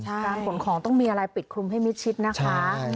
การขนของต้องมีอะไรปิดคลุมให้มิดชิดนะคะ